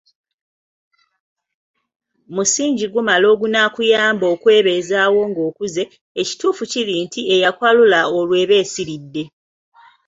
Musingi gumala ogunaakuyamba okwebeezaawo ng'okuze, ekituufu kiri nti, eyakwalula olwo eba esiridde.